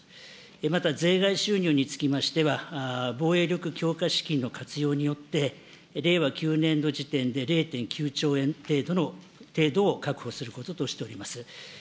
また税外収入につきましては、防衛力強化資金の活用によって、令和９年度時点で０．９兆円程度を確保することとしております。